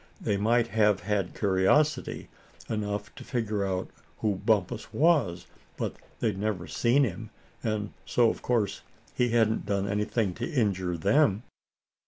"They might have had curiosity enough to figure out who Bumpus was; but they'd never seen him, and so of course he hadn't done anything to injure them."